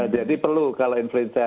jadi perlu kalau influenza